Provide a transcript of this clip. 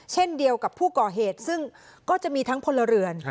เช่นเดียวกับผู้ก่อเหตุซึ่งก็จะมีทั้งพลเรือน